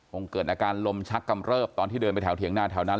คงเกิดอาการลมชักกำเริบตอนที่เดินไปแถวเถียงหน้าแถวนั้น